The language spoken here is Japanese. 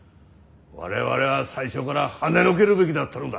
我々は最初からはねのけるべきだったのだ。